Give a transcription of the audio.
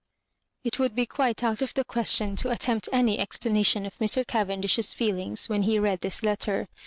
It would be quite out of the question to at tempt any explanation of Mr. Cavendish's feel ings when he read this letter.